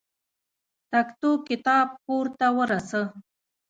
تکتو کتاب کور ته ورسه.